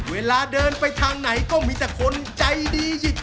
เวลาเดินไปทางไหนก็มีแต่คนใจดีหยิบ